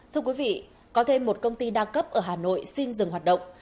thưa quý vị có thêm một công ty đa cấp ở hà nội xin dừng hoạt động